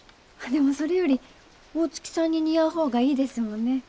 あっでもそれより大月さんに似合う方がいいですもんね。